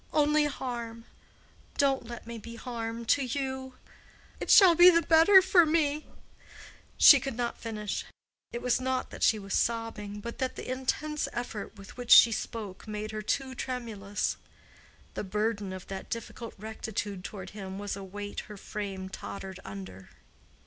Only harm. Don't let me be harm to you. It shall be the better for me—" She could not finish. It was not that she was sobbing, but that the intense effort with which she spoke made her too tremulous. The burden of that difficult rectitude toward him was a weight her frame tottered under.